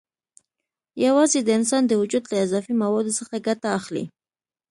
یوازې د انسان د وجود له اضافي موادو څخه ګټه اخلي.